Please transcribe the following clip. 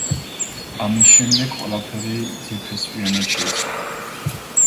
ამის შემდეგ ყველაფერი ძირფესვიანად შეიცვალა.